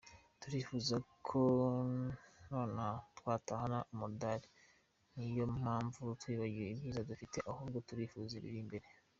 Turifuza ko naho twatahana umudali niyo mpamvu twibagiwe ibyiza dufite, ahubwo turifuza ibiri imbere.